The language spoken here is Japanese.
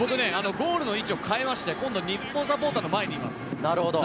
ゴールの位置を変えまして、今、日本サポーターの前にいます。